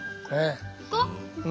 行こう。